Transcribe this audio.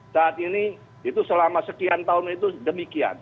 saat ini itu selama sekian tahun itu demikian